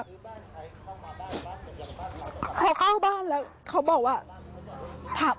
พอเข้าบ้านแล้วเขาบอกว่า